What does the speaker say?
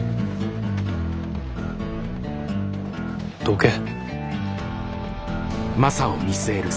どけ。